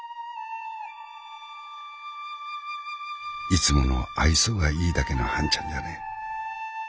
いつもの愛想がいいだけの半ちゃんじゃねえ。